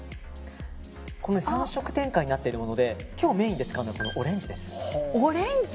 ３色展開になっているもので今日、メインで使うのはオレンジです。